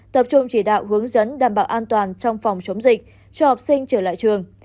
tập trung chỉ đạo hướng dẫn đảm bảo an toàn trong phòng chống dịch cho học sinh trở lại trường